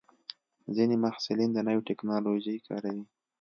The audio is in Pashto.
ځینې محصلین د نوې ټکنالوژۍ کاروي.